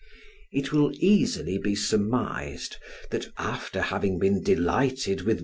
It will easily be surmised, that after having been delighted with M.